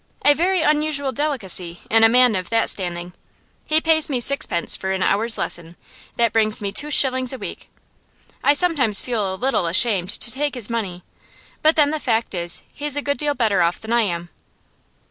A very unusual delicacy in a man of that standing. He pays me sixpence for an hour's lesson; that brings me two shillings a week. I sometimes feel a little ashamed to take his money, but then the fact is he's a good deal better off than I am.